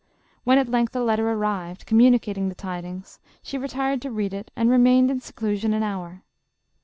When al length a letter arrived, communicating the tidings, she retired to read it, and remained in seclusion an hour.